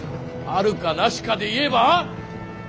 あるかなしかで言えば？